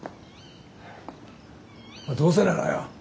どうせならよ